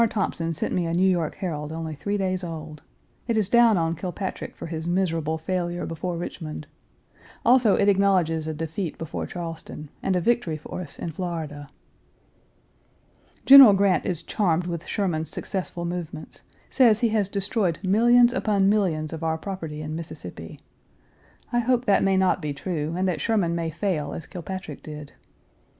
Thompson sent me a New York Herald only three days old. It is down on Kilpatrick for his miserable Page 299 failure before Richmond. Also it acknowledges a defeat before Charleston and a victory for us in Florida. General Grant is charmed with Sherman's successful movements; says he has destroyed millions upon millions of our property in Mississippi. I hope that may not be true, and that Sherman may fail as Kilpatrick did.